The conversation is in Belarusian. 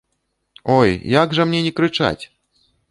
Ой, як жа мне не крычаць?